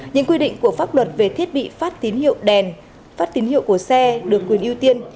những quy định của pháp luật về thiết bị phát tín hiệu đèn phát tín hiệu của xe được quyền ưu tiên